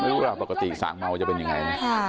ไม่รู้ปกติสางเมาจะเป็นยังไง